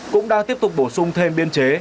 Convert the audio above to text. cũng đã tiếp tục bổ sung thêm biên chế